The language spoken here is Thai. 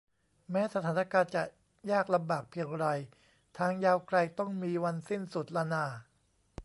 แม้สถานการณ์จะยากลำบากเพียงไรทางยาวไกลต้องมีวันสิ้นสุดล่ะน่า